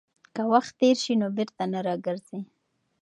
که وخت تېر شي نو بېرته نه راګرځي.